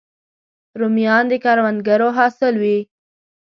رومیان د کروندګرو حاصل وي